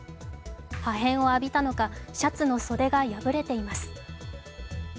破片を浴びたのかシャツの袖が破れています。